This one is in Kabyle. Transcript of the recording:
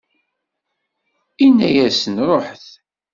Inna-asen: Ṛuḥet!